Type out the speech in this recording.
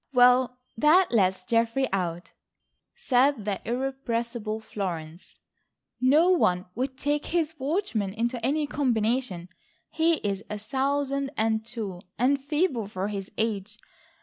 "Well, that lets Geoffrey out," said the irrepressible Florence. "No one would take his watchman into any combination,—he is a thousand and two and feeble for his age.